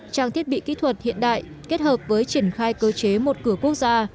trang thiết bị kỹ thuật hiện đại kết hợp với triển khai cơ chế một cửa quốc gia